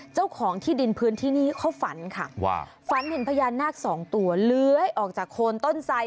เจ้าของที่ดินพื้นที่นี้เขาฝันค่ะว่าฝันเห็นพญานาคสองตัวเลื้อยออกจากโคนต้นไส